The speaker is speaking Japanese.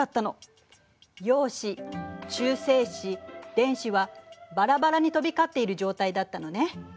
電子はバラバラに飛び交っている状態だったのね。